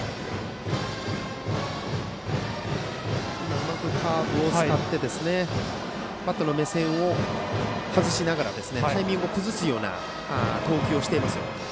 うまくカーブを使ってバッターの目線を外しながらタイミングを崩すような投球をしていますよ。